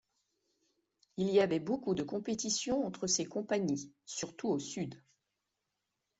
Il y avait beaucoup de compétition entre ces compagnies, surtout au sud.